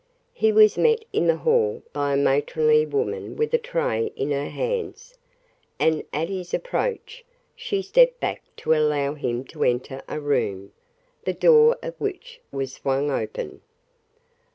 He was met in the hall by a matronly woman with a tray in her hands, and at his approach she stepped back to allow him to enter a room, the door of which was swung open.